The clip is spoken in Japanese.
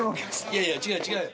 いやいや違う違う。